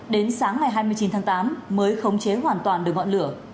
đến sáng ngày hai mươi chín tháng tám mới khống chế hoàn toàn được ngọn lửa